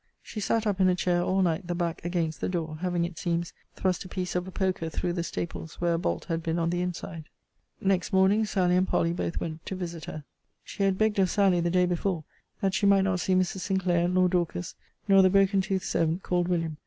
She sat up in a chair all night, the back against the door; having, it seems, thrust a piece of a poker through the staples where a bolt had been on the inside. Next morning Sally and Polly both went to visit her. She had begged of Sally, the day before, that she might not see Mrs. Sinclair, nor Dorcas, nor the broken toothed servant, called William.